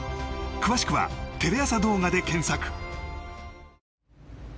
詳しくはテレ朝動画で検索。